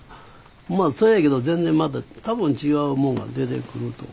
まあそうやけど全然また多分違うもんが出てくると思う。